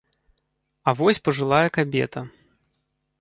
А вось пажылая кабета.